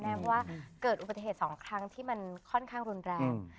เพราะว่าเกิดอุบัติเหตุ๒ครั้งที่มันค่อนข้างรุนแรง